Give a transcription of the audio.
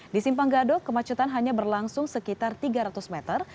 di simpang gadok kemacetan hanya berlangsung sekitar tiga ratus meter